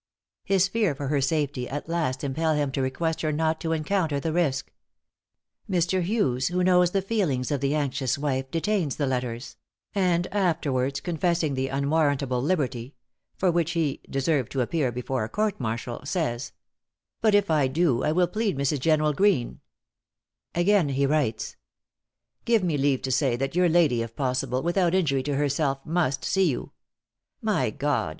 His fears for her safety at last impel him to request her not to encounter the risk. Mr. Hughes, who knows the feelings of the anxious wife, detains the letters: and afterwards, confessing the unwarrantable liberty for which he "deserved to appear before a court martial" says: "But if I do, I will plead Mrs. General Greene." Again hewrites: "Give me leave to say that your lady, if possible, without injury to herself, must see you. My God!